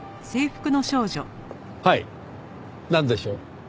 はいなんでしょう？